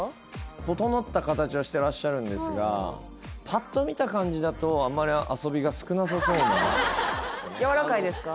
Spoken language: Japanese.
整った形はしてらっしゃるんですがパッと見た感じだとあんまり遊びが少なさそうなやわらかいですか？